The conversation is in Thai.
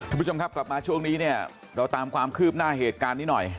คุณผู้ชมครับกลับมาช่วงนี้เนี่ยเราตามความคืบหน้าเหตุการณ์นี้หน่อย